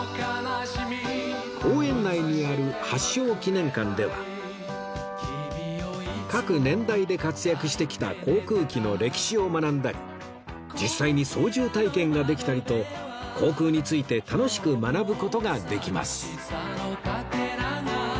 公園内にある発祥記念館では各年代で活躍してきた航空機の歴史を学んだり実際に操縦体験ができたりと航空について楽しく学ぶ事ができます